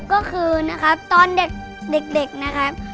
ก็คือนะครับตอนเด็กนะครับ